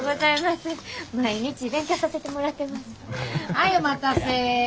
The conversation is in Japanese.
はいお待たせ。